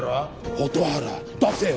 蛍原出せよ録音。